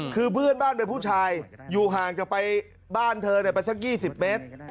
คือเพื่อนบ้านเป็นผู้ชายอยู่ห่างจากไปบ้านเธอไปสัก๒๐เมตร